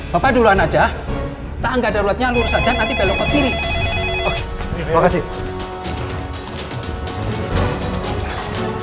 bapak duluan aja tangga daruratnya lurus aja nanti belokot diri